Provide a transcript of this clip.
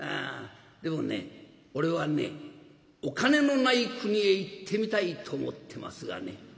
でもね俺はねお金のない国へ行ってみたいと思ってますがね」。